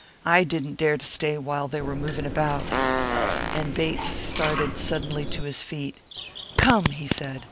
"I didn't dare to stay while they were moving about." And Bates started suddenly to his feet. "Come!" he said.